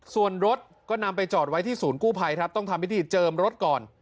ส่วนรถก็นำไปจอดไว้ที่ศูนย์กู้ภัยครับต้องทำพิธีเจิมรถก่อน